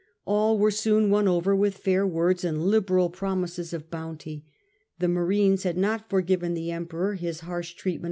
All were soon won over with fair Emperor* words and liberal promises of bounty. The marines had not forgiven the Emperor his harsh treatment Galba, k . T \, 68 69.